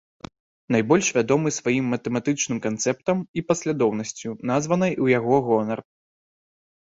Найбольш вядомы сваім матэматычным канцэптам, і паслядоўнасцю, названай у яго гонар.